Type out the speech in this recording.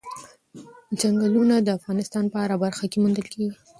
چنګلونه د افغانستان په هره برخه کې موندل کېږي.